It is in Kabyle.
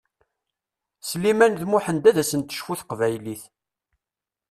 Sliman d Muḥend ad asen-tecfu teqbaylit.